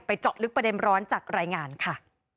เจาะลึกประเด็นร้อนจากรายงานค่ะ